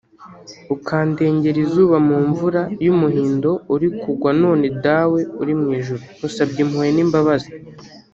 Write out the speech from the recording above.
ukandengera izuba mu mvura y’umuhindo uri kugwa none dawe uri mu ijuru nkusabye impuhwe n’imbabazi